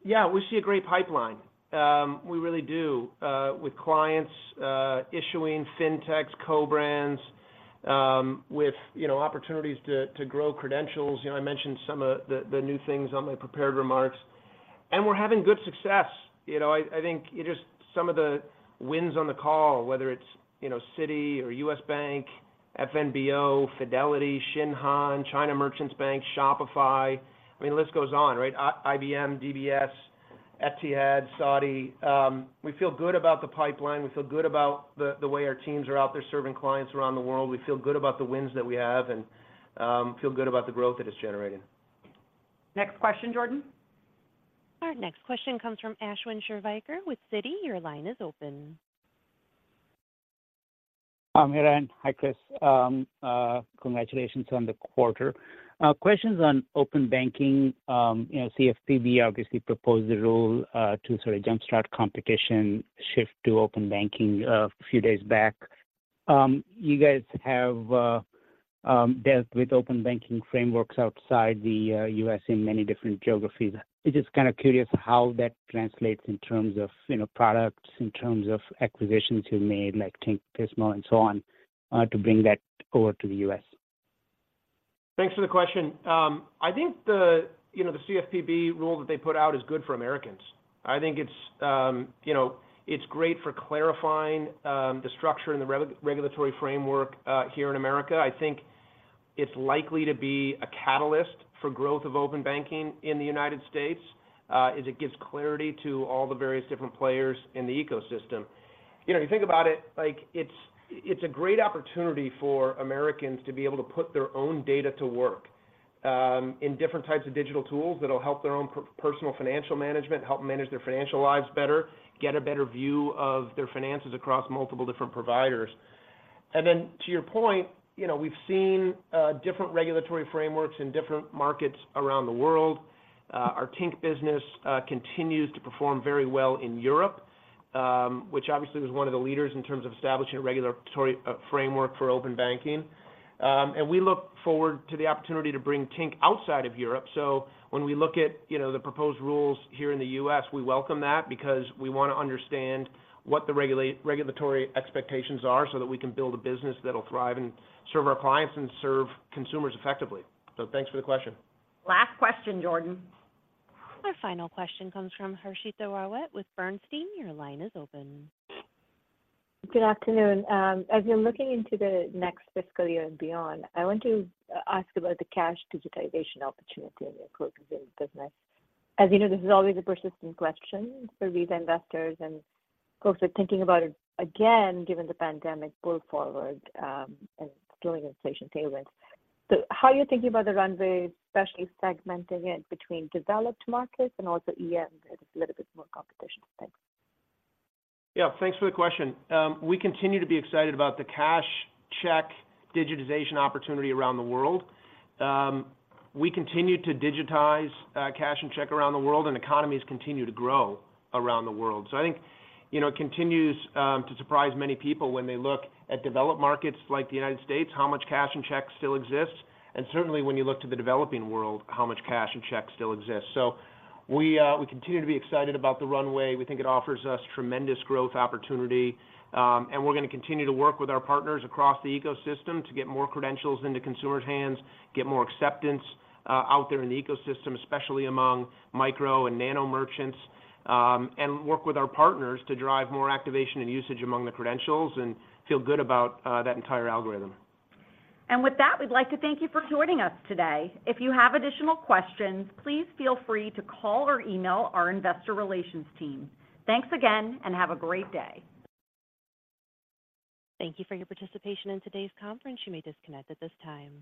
Yeah, we see a great pipeline. We really do with clients issuing fintechs, co-brands with, you know, opportunities to grow credentials. You know, I mentioned some of the new things on my prepared remarks, and we're having good success. You know, I think, just some of the wins on the call, whether it's, you know, Citi or U.S. Bank, FNBO, Fidelity, Shinhan, China Merchants Bank, Shopify. I mean, the list goes on, right? IBM, DBS, Etihad, Saudi. We feel good about the pipeline. We feel good about the way our teams are out there serving clients around the world. We feel good about the wins that we have and feel good about the growth that it's generating. Next question, Jordan. Our next question comes from Ashwin Shirvaikar with Citi. Your line is open. I'm here, and hi, Chris. Congratulations on the quarter. Questions on open banking. You know, CFPB obviously proposed the rule to sort of jumpstart competition shift to open banking a few days back. You guys have dealt with open banking frameworks outside the US in many different geographies. I'm just kind of curious how that translates in terms of, you know, products, in terms of acquisitions you've made, like Tink, Pismo, and so on, to bring that over to the US. Thanks for the question. I think the, you know, the CFPB rule that they put out is good for Americans. I think it's, you know, it's great for clarifying the structure and the regulatory framework here in America. I think it's likely to be a catalyst for growth of open banking in the United States as it gives clarity to all the various different players in the ecosystem. You know, if you think about it, like, it's a great opportunity for Americans to be able to put their own data to work in different types of digital tools that'll help their own personal financial management, help manage their financial lives better, get a better view of their finances across multiple different providers. And then, to your point, you know, we've seen different regulatory frameworks in different markets around the world. Our Tink business continues to perform very well in Europe, which obviously was one of the leaders in terms of establishing a regulatory framework for open banking. We look forward to the opportunity to bring Tink outside of Europe. So when we look at the proposed rules here in the U.S., we welcome that because we want to understand what the regulatory expectations are, so that we can build a business that'll thrive and serve our clients and serve consumers effectively. So thanks for the question. Last question, Jordan. Our final question comes from Harshita Rawat with Bernstein. Your line is open. Good afternoon. As you're looking into the next fiscal year and beyond, I want to ask about the cash digitization opportunity in your business. As you know, this is always a persistent question for these investors, and folks are thinking about it again, given the pandemic pull forward, and still inflation payments. So how are you thinking about the runway, especially segmenting it between developed markets and also EMs, it's a little bit more competition? Thanks. Yeah, thanks for the question. We continue to be excited about the cash check digitization opportunity around the world. We continue to digitize cash and check around the world, and economies continue to grow around the world. So I think, you know, it continues to surprise many people when they look at developed markets like the United States, how much cash and checks still exists, and certainly when you look to the developing world, how much cash and checks still exists. So we, we continue to be excited about the runway. We think it offers us tremendous growth opportunity, and we're going to continue to work with our partners across the ecosystem to get more credentials into consumers' hands, get more acceptance out there in the ecosystem, especially among micro and nano merchants, and work with our partners to drive more activation and usage among the credentials, and feel good about that entire algorithm. With that, we'd like to thank you for joining us today. If you have additional questions, please feel free to call or email our Investor Relations team. Thanks again and have a great day. Thank you for your participation in today's conference. You may disconnect at this time.